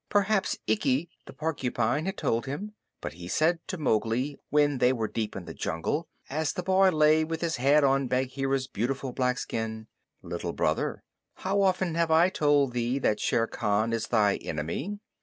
Perhaps Ikki the Porcupine had told him; but he said to Mowgli when they were deep in the jungle, as the boy lay with his head on Bagheera's beautiful black skin, "Little Brother, how often have I told thee that Shere Khan is thy enemy?"